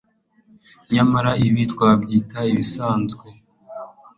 nyamara ibi twabyita ibisanzwe